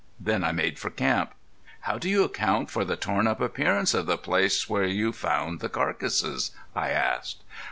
Then I made for camp." "How do you account for the torn up appearance of the place where you found the carcasses?" I asked.